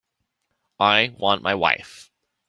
I want my wife.